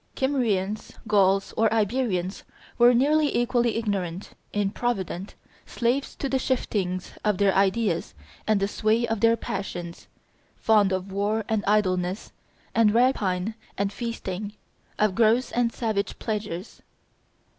Kymrians, Gauls, or Iberians were nearly equally ignorant, improvident, slaves to the shiftings of their ideas and the sway of their passions, fond of war and idleness and rapine and feasting, of gross and savage pleasures.